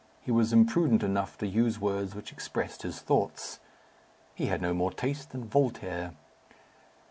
He was imprudent enough to use words which expressed his thoughts. He had no more taste than Voltaire.